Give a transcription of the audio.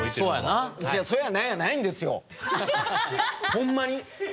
ホンマに。